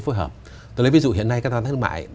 phối hợp tôi lấy ví dụ hiện nay các tham gia thương mại